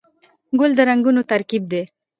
ګل د رنګونو ترکیب دی.